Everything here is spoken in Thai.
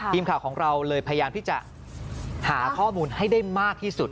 ทีมข่าวของเราเลยพยายามที่จะหาข้อมูลให้ได้มากที่สุด